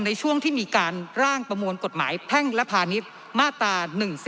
ในช่วงที่มีการร่างประมวลกฎหมายแพ่งและพาณิชย์มาตรา๑๔